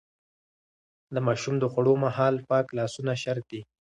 د ماشوم د خوړو مهال پاک لاسونه شرط دي.